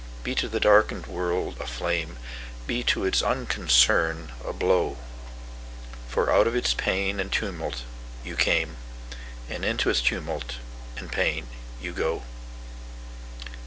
Be to the darkened world a flame; Be to its unconcern a blow—For out of its pain and tumult you came, And into its tumult and pain you go.